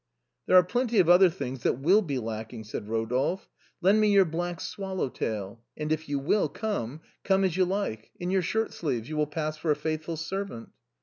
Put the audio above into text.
" There are plenty of other things that will be lacking," said Eodolphe. " Lend me your black swallow tail, and if you will come, come as you like; in your shirt sleeves, you will pass for a faithful servant."